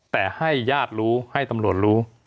แต่ให้ญาติรู้ให้ตำรวจรู้